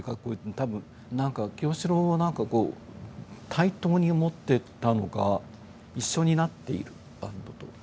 多分なんか清志郎はなんかこう対等に思ってたのか一緒になっているバンドと。